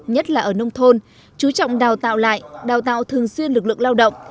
nhất là ở nông thôn chú trọng đào tạo lại đào tạo thường xuyên lực lượng lao động